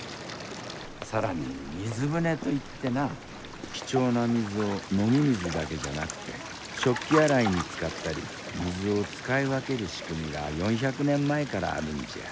更に水舟といってな貴重な水を飲み水だけじゃなくて食器洗いに使ったり水を使い分ける仕組みが４００年前からあるんじゃ。